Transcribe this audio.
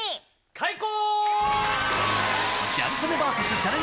開講！